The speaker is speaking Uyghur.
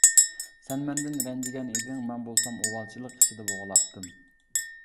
سەن مەندىن رەنجىگەن ئىدىڭ، مەن بولسام ئۇۋالچىلىق ئىچىدە بوغۇلاتتىم.